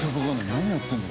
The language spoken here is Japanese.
何やってんの？